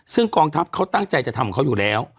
ซึ่งกองทัพเขาตั้งใจจะทำเขาอยู่แล้ว